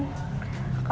aku posisi nunduk ya